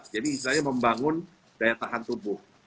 jadi istilahnya membangun daya tahan tubuh